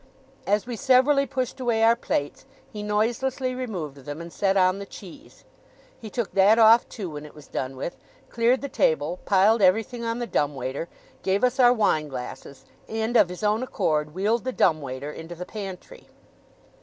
As we severally pushed away our plates, he noiselessly removed them, and set on the cheese. He took that off, too, when it was done with; cleared the table; piled everything on the dumb waiter; gave us our wine glasses; and, of his own accord, wheeled the dumb waiter into the pantry.